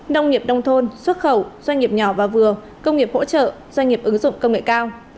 nông nghiệp nông thôn xuất khẩu doanh nghiệp nhỏ và vừa công nghiệp hỗ trợ doanh nghiệp ứng dụng công nghệ cao